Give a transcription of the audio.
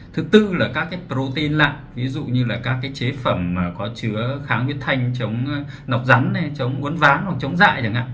thứ tư là các protein lạc ví dụ như là các chế phẩm có chứa kháng huyết thanh chống nọc rắn chống uốn ván hoặc chống dại chẳng hạn